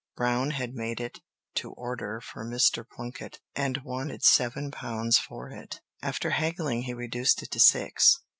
Brown had made it to order for Mr. Plunkett, and wanted seven pounds for it. After haggling he reduced it to six.